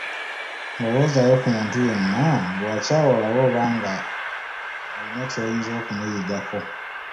Lowoozaayo ku muntu yenna gwe wakyawa olabe oba nga olina ky'oyinza okumuyigako.